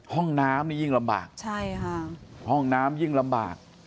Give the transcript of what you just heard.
ห้องน้ำนี่ยิ่งลำบากใช่ค่ะห้องน้ำยิ่งลำบาก